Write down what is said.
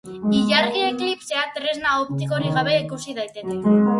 Ilargi-eklipsea tresna optikorik gabe ikusi daiteke.